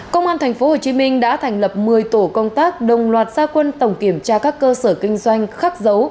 công an tp hcm đã thành lập một mươi tổ công tác đồng loạt gia quân tổng kiểm tra các cơ sở kinh doanh khắc dấu